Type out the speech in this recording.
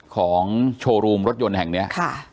ของโชว์รูมรถยนต์แห่งนี้